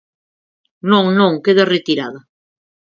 Non, non, queda retirada.